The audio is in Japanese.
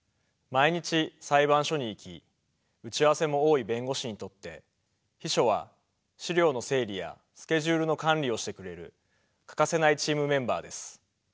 毎日裁判所に行き打ち合わせも多い弁護士にとって秘書は資料の整理やスケジュールの管理をしてくれる欠かせないチームメンバーです。